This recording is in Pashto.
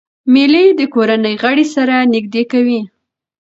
مېلې د کورنۍ غړي سره نږدې کوي.